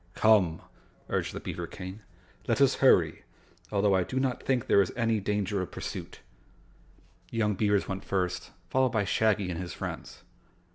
"Come," urged the beaver King, "let us hurry, although I do not think there is any danger of pursuit." The young beavers went first, followed by Shaggy and his friends.